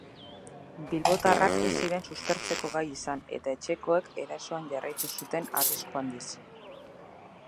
Bilbotarrak ez ziren suspertzeko gai izan eta etxekoek erasoan jarraitu zuten arrisku handiz.